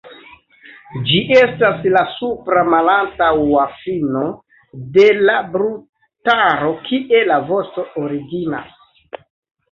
Ĝi estas la supra malantaŭa fino de la brutaro kie la vosto originas.